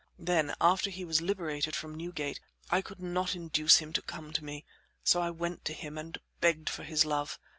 Then, after he was liberated from Newgate, I could not induce him to come to me, so I went to him and begged for his love.